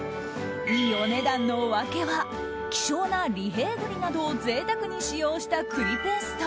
いいお値段の訳は希少な利平栗などをぜいたくに使用した栗ペースト。